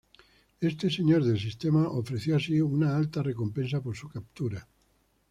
Este Señor del Sistema ofreció así una alta recompensa por su captura.